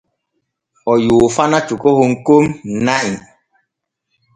O yoofana cukahon kon na’i.